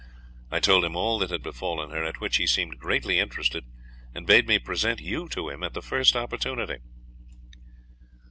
I told him all that had befallen her, at which he seemed greatly interested, and bade me present you to him at the first opportunity.